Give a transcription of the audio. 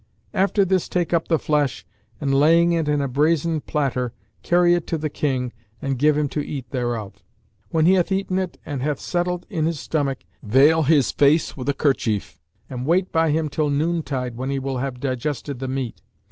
After this take up the flesh and, laying it in a brazen platter, carry it to the King and give him to eat thereof. When he hath eaten it and it hath settled in his stomach, veil his face with a kerchief and wait by him till noontide, when he will have digested the meat.